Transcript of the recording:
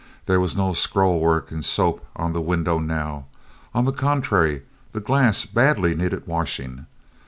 There was no scrollwork in soap on the window now. On the contrary, the glass badly needed washing.